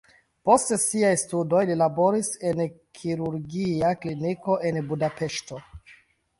Post siaj studoj li laboris en kirurgia kliniko en Budapeŝto.